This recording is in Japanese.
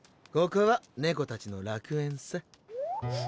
ここは猫たちの楽園さ。